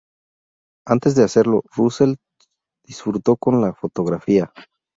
Antes de hacerlo, Russell disfrutó con la fotografía.